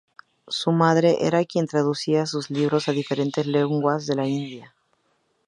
Su madre era quien traducía su libros a diferentes lenguas de la India.